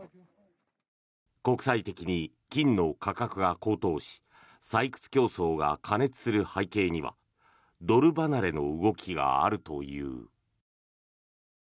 国際的に金の価格が高騰し採掘競争が過熱する背景にはドル離れの動きがあるという。